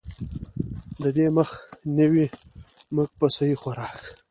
د دې مخ نيوے مونږ پۀ سهي خوراک ،